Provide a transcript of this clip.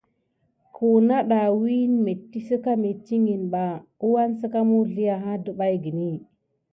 Wuake táte ɗe biɗé mintikiti mà kilva net dik na.